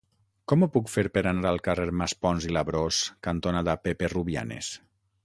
Com ho puc fer per anar al carrer Maspons i Labrós cantonada Pepe Rubianes?